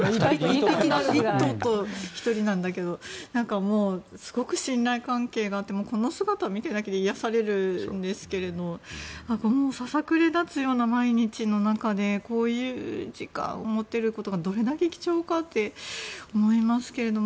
１頭と１人なんだけどすごく信頼関係がこの２人を見てるだけで癒やされるんですけれどもささくれ立つような毎日の中でこういう時間を持てることがどれだけ貴重かと思いますけど。